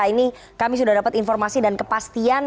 ini kami sudah dapat informasi dan kepastian